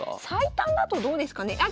最短だとどうですかね？